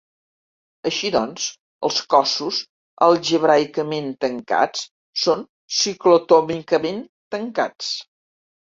Així doncs, els cossos algebraicament tancats són ciclotòmicament tancats.